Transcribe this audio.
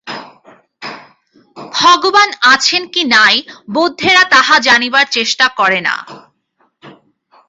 ভগবান আছেন কি নাই, বৌদ্ধেরা তাহা জানিবার চেষ্টা করে না।